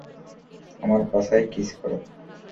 আমার পাছায় কিস করো।